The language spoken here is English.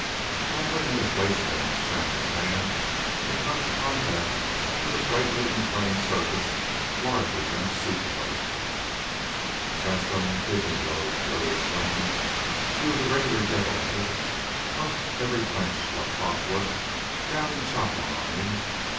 Fumbling at his waistband, Saxon's hand had come in contact with a brightly inflamed surface larger than a soup plate. "That's from the kidney blows," Billy explained. "He was a regular devil at it. 'Most every clench, like clock work, down he'd chop one on me.